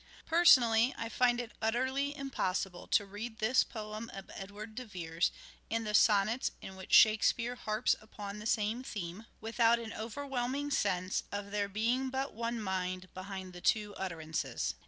Personally I find it utterly impossible to read this poem of Edward De Vere's and the sonnets in which " Shakespeare " harps upon the same theme, without an overwhelming sense of there being but one mind behind the two utterances.